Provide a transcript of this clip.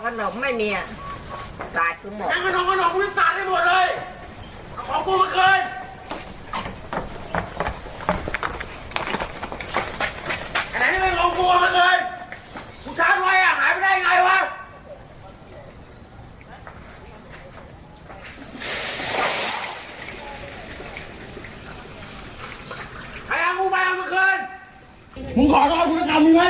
ครับบอกว่าอะไรกูไม่ต้องทำแล้วเดี๋ยวจะก็มาก็น้ำไม่มี